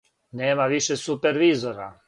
Нема више супервизора.